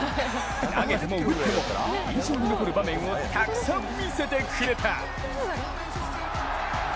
投げても打っても印象に残る場面をたくさん見せてくれた。